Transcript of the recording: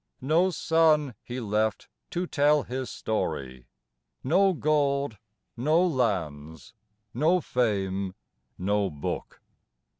No son he left to tell his story, No gold, no lands, no fame, no book.